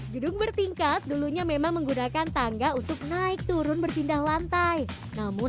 gedung bertingkat dulunya memang menggunakan tangga untuk naik turun berpindah lantai namun